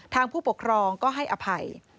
ผู้ปกครองก็ให้อภัย